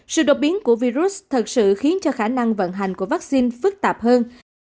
sự đột biến của virus thật sự khiến cho khả năng vận hành của vaccine phức tạp hơn